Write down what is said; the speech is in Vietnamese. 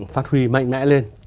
phát huy mạnh mẽ lên